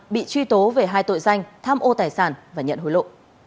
bị truy tố về hai tội danh tham ô tài sản và nhận hối lộ